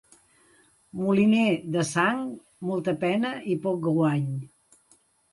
Moliner de sang, molta pena i poc guany.